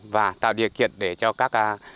và tạo điều kiện để cho các